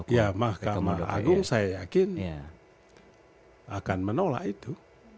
ya mahkamah agung saya yakin akan menolak itu